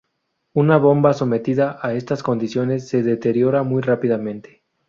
Una bomba sometida a estas condiciones se deteriora muy rápidamente.